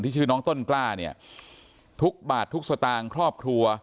ชื่อน้องต้นกล้าเนี่ยทุกบาททุกสตางค์ครอบครัว